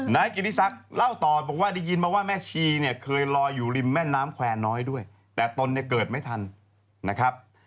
นายกิติศักดิ์เล่าต่อบอกว่าได้ยินมาว่าแม่ชีเนี่ยเคยลอยอยู่ริมแม่น้ำแควร์น้อยด้วยแต่ตนเนี่ยเกิดไม่ทันนะครับ